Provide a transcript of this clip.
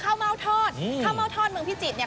ข้าวเม้าทอดเมืองพิจิทธิ์